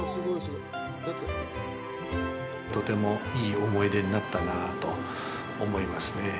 とてもいい思い出になったなぁと思いますね。